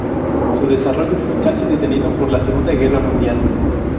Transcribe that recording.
Su desarrollo fue casi detenido por la Segunda Guerra Mundial.